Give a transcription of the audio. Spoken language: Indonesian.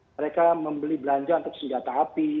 mereka membeli belanja untuk senjata api